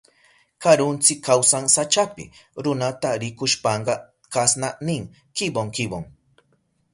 Karuntsi kawsan sachapi. Runata rikushpanka kasna nin: kibon kibon.